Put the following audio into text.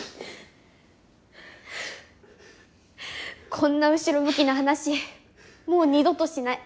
こんな後ろ向きな話もう二度としない。